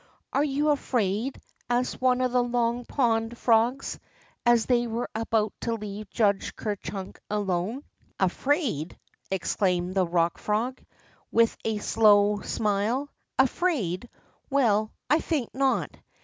Are you afraid ?" asked one of the Long Pond L.ofC. 100 TUB ROCK FROG frogs, as they were about to leave Judge Ker Cliunk alone. Afraid!'' exclaimed the Rock Frog, with a slow smile. Afraid? Well, I think not.